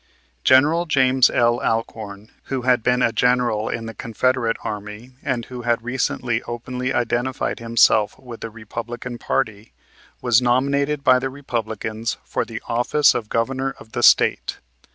General James L. Alcorn, who had been a general in the Confederate Army and who had recently openly identified himself with the Republican party, was nominated by the Republicans for the office of Governor of the State.